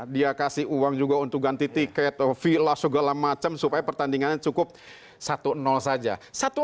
dia kasih uang juga untuk ganti tiket villa segala macam supaya pertandingannya cukup satu saja